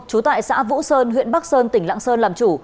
trú tại xã vũ sơn huyện bắc sơn tỉnh lạng sơn làm chủ